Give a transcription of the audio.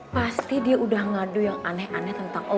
pasti dia udah ngadu yang aneh aneh tentang allah